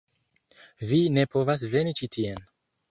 Vi ne povas veni ĉi tien.